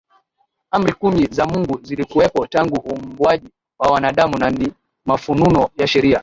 Amri kumi za Mungu zilikuwepo tangu Uumbwaji wa Wanadamu na ni mafunuo ya Sheria